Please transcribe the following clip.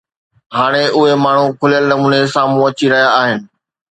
هاڻي اهي ماڻهو کليل نموني سامهون اچي رهيا آهن